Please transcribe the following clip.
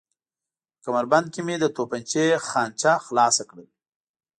په کمربند کې مې د تومانچې خانچه خلاصه کړل.